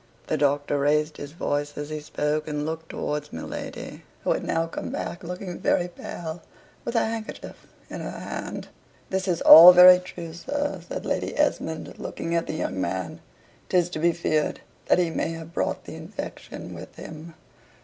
The Doctor raised his voice as he spoke, and looked towards my lady, who had now come back, looking very pale, with a handkerchief in her hand. "This is all very true, sir," said Lady Esmond, looking at the young man. "'Tis to be feared that he may have brought the infection with him."